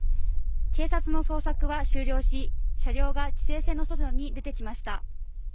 警察の捜索は終了し、車両が規制線の外に出てきました。